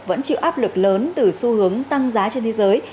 vẫn chịu áp lực lớn từ xu hướng tăng giá trên thế giới